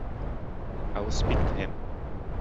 I will speak to him.